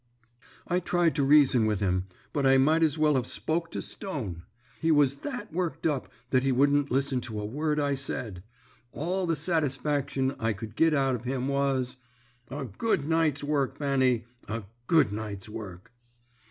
"I tried to reason with him, but I might as well have spoke to stone. He was that worked up that he wouldn't listen to a word I said. All the satisfaction I could git out of him was "'A good night's work, Fanny; a good night's work!'